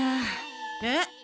えっ？